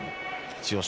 千代翔